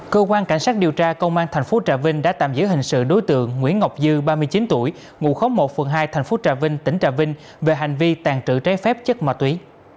cơ quan cảnh sát điều tra công an thành phố trà vinh đã tạm giữ hình sự đối tượng nguyễn ngọc dư ba mươi chín tuổi ngụ khóm một phường hai thành phố trà vinh tỉnh trà vinh về hành vi tàn trự trái phép chất ma túy